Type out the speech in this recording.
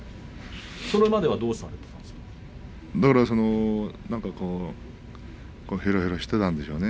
それまではどうしていたんですか。